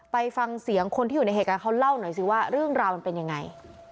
ไปฟังเสียงคนที่อยู่ในเหตุการณ์เขาเล่าหน่อยสิว่าเรื่องราวมันเป็นยังไง